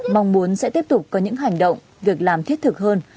mong muốn sẽ tiếp tục có những hành động việc làm thiết thực hơn